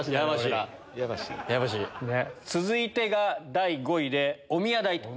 続いてが第５位でおみや代。